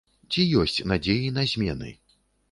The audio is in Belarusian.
Ці ёсць надзеі на змены?